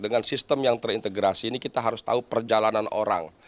dengan sistem yang terintegrasi ini kita harus tahu perjalanan orang